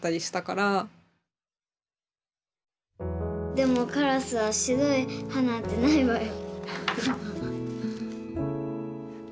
「でもカラスは白い歯なんてないわよ」。